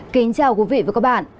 kính chào quý vị và các bạn